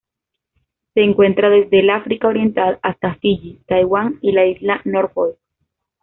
Se encuentra desde el África Oriental hasta Fiyi, Taiwán y la Isla Norfolk.